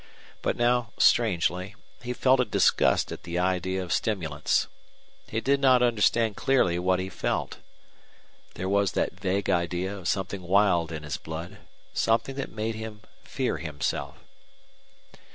But now, strangely, he felt a disgust at the idea of stimulants. He did not understand clearly what he felt. There was that vague idea of something wild in his blood, something that made him fear himself.